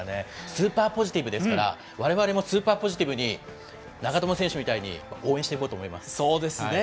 スーパーポジティブですから、われわれもスーパーポジティブに、長友選手みたいに応援していこうそうですね。